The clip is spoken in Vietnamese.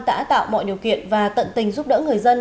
đã tạo mọi điều kiện và tận tình giúp đỡ người dân